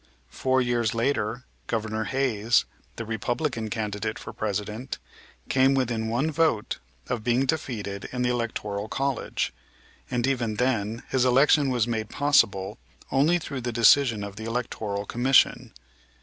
Four years later Governor Hayes, the Republican candidate for President, came within one vote of being defeated in the electoral college; and even then his election was made possible only through the decision of the Electoral Commission.